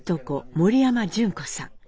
森山純子さん。